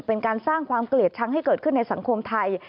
เป็นการสร้างความเกลียดชังให้เกิดขึ้นในสังคมไทย